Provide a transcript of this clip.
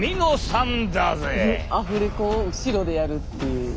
おっアフレコを後ろでやるっていう。